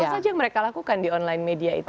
apa saja yang mereka lakukan di online media itu